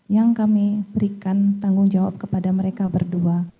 yang kami berikan tanggung jawab kepada mereka berdua